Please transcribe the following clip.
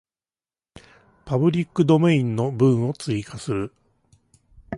パブリックドメインの文を追加する